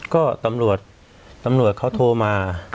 ก็ตำรวจเขาโทรมา